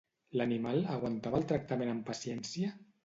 L'animal aguantava el tractament amb paciència?